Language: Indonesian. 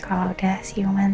kalaunya h rugi